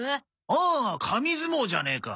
ああ紙相撲じゃねえか。